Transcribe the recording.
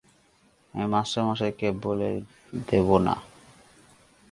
আমি মাস্টারমশায়কে বলে দেব না?